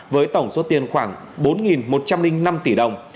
với tổng số tiền khoảng bốn một trăm linh năm tỷ đồng